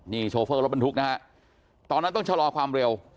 นี่โชเฟอร์รถบรรทุกนะฮะตอนนั้นต้องชะลอความเร็ว